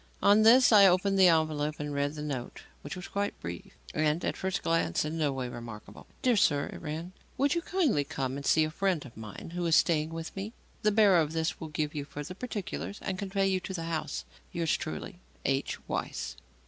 On this, I opened the envelope and read the note, which was quite brief, and, at first sight, in no way remarkable. "DEAR SIR," it ran, "Would you kindly come and see a friend of mine who is staying with me? The bearer of this will give you further particulars and convey you to the house. Yours truly, H. WEISS."